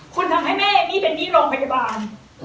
คุณทำให้แม่เอมมี่เป็นหนี้ลงพยาบาล